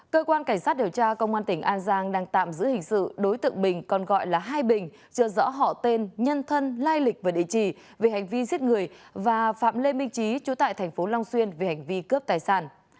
cơ quan cảnh sát điều tra công an tỉnh an giang đang tạm giữ hình sự đối tượng bình còn gọi là hai bình chưa rõ họ tên nhân thân lai lịch và địa chỉ về hành vi giết người và phạm lê minh trí chủ tại thành phố long xuyên về hành vi cướp tài sản